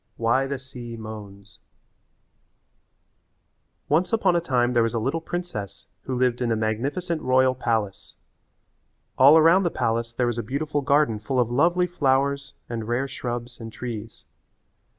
XVII Why the Sea Moans Once upon a time there was a little princess who lived in a magnificent royal palace. All around the palace there was a beautiful garden full of lovely flowers and rare shrubs and trees.